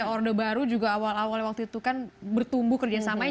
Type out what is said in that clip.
orde baru juga awal awalnya waktu itu kan bertumbuh kerjasamanya